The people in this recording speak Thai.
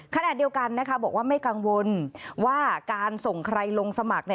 ขณะเดียวกันบอกว่าไม่กังวลว่าการส่งใครลงสมัคร